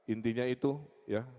intinya itu ya